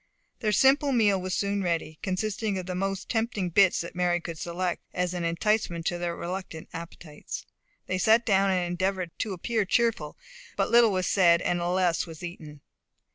Their simple meal was soon ready, consisting of the most tempting bits that Mary could select, as an enticement to their reluctant appetites. They sat down, and endeavoured to appear cheerful, but little was said, and less was eaten.